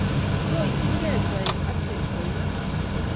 loityingei toik ak chepkoikat